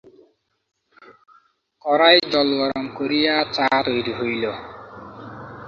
কড়ায় জল গরম করিয়া চা তৈরি হইল।